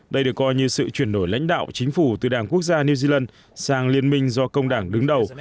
đây được coi như sự chuyển đổi lãnh đạo chính phủ từ đảng quốc gia new zealand sang liên minh do công đảng đứng đầu